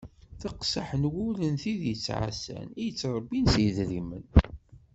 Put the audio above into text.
Teqsaḥ n wul n tid i yettɛassan i yettrebbin s yedrimen.